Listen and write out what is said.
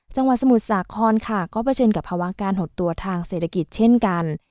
สมุทรสาครค่ะก็เผชิญกับภาวะการหดตัวทางเศรษฐกิจเช่นกัน